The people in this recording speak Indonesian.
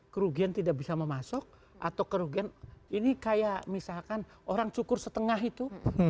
kerugian tidak bisa memasuk atau kerugian ini kayak misalkan orang cukur setengah itu